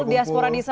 diaspora di sana